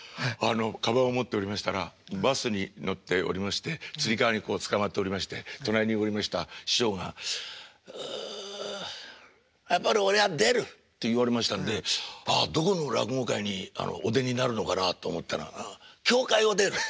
かばんを持っておりましたらバスに乗っておりましてつり革にこうつかまっておりまして隣におりました師匠が「ああやっぱり俺は出る」って言われましたんでああどこの落語会にお出になるのかなと思ったら「協会を出る」。